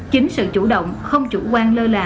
chính sự chủ động không chủ quan lơ là